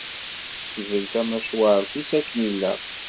Tekbel tamacwart-is akken ilaq.